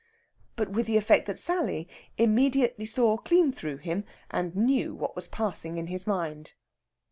But with the effect that Sally immediately saw clean through him, and knew what was passing in his mind.